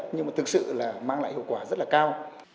nhưng mà thực sự là mang lại hiệu quả rất là cao